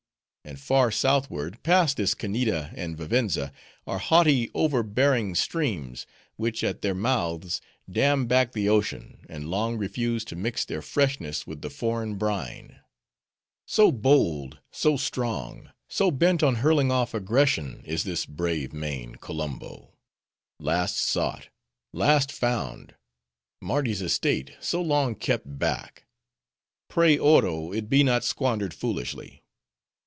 And far southward, past this Kanneeda and Vivenza, are haughty, overbearing streams, which at their mouths dam back the ocean, and long refuse to mix their freshness with the foreign brine:—so bold, so strong, so bent on hurling off aggression is this brave main, Kolumbo;—last sought, last found, Mardi's estate, so long kept back;—pray Oro, it be not squandered foolishly.